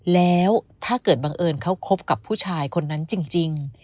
แล้วถ้าเกิดบังเอิญเขาคบกับผู้ชายคนนั้นจริง